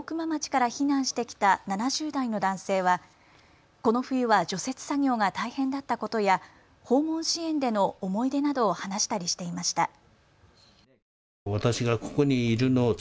町から避難してきた７０代の男性はこの冬は除雪作業が大変だったことや訪問支援での思い出などを話したりしていました。